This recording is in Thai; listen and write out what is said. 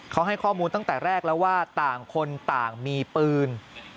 เขาให้ข้อมูลตั้งแต่แรกแล้วว่าต่างคนต่างมีปืน